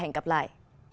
hẹn gặp lại